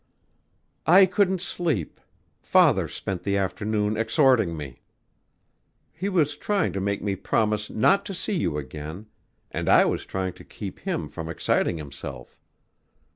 "I couldn't sleep.... Father spent the afternoon exhorting me ... he was trying to make me promise not to see you again ... and I was trying to keep him from exciting himself."